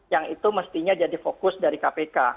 yang itu mestinya jadi fokus dari kpk